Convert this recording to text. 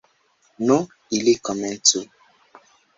Nu, ili komencu!